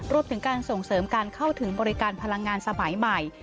รวมถึงการส่งเสริมการเข้าถึงบริการพลังงานสมัยใหม่